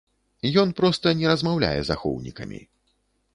Ён проста не размаўляе з ахоўнікамі.